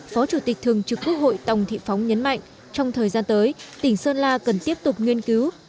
phó chủ tịch thường trực quốc hội tòng thị phóng nhấn mạnh trong thời gian tới tỉnh sơn la cần tiếp tục nghiên cứu